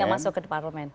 yang masuk ke parlemen